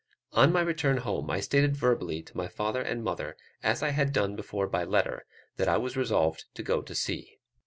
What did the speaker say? On my return home I stated verbally to my father and mother, as I had done before by letter, that I was resolved to go to sea.